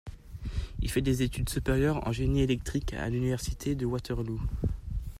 Il fait des études supérieures en génie électrique à l'université de Waterloo.